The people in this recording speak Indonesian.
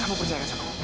kamu percayakan aku